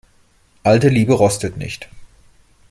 Alte Liebe rostet nicht.